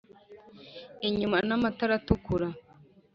inyuma n' amatara atukura